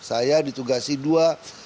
saya ditugasi dua